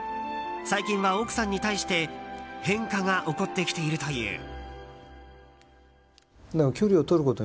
最近は奥さんに対して変化が起こってきているという。